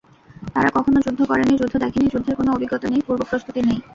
তারা কখনো যুদ্ধ করেনি, যুদ্ধ দেখেনি, যুদ্ধের কোনো অভিজ্ঞতা নেই, পূর্বপ্রস্তুতি নেই।